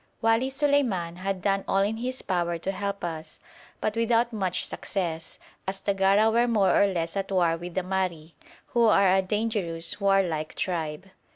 Wali Suleiman had done all in his power to help us, but without much success, as the Gara were more or less at war with the Mahri, who are a dangerous warlike tribe.